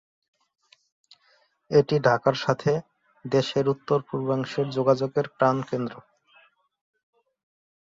এটি ঢাকার সাথে দেশের উত্তর-পূর্বাংশের যোগাযোগের প্রাণকেন্দ্র।